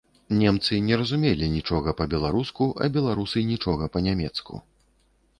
Немцы не разумелі нічога па-беларуску, а беларусы нічога па-нямецку.